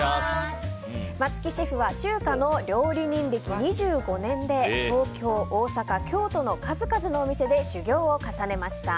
松木シェフは中華の料理人歴２５年で東京、大阪、京都の数々のお店で修業を重ねました。